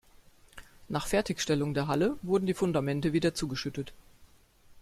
Nach Fertigstellung der Halle wurden die Fundamente wieder zugeschüttet.